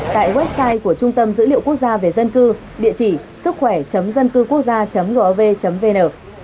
tại website của trung tâm dữ liệu quốc gia về dân cư địa chỉ sứckhoẻ dâncưquốcgia gov vn